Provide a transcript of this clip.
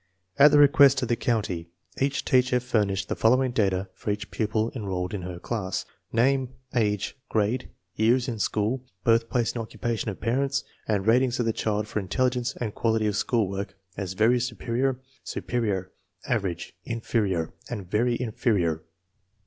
At the request of the county each teacher furnished the following data for each pupil en rolled in her class: name, age, grade, years in school, birthplace and occupation of parents, and ratings of the child for intelligence and quality of school work as very superior, superior, average, inferior, and very inferior.